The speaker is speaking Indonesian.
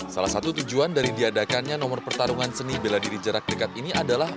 salah satu tujuan dari diadakannya nomor pertarungan seni bela diri jarak dekat ini adalah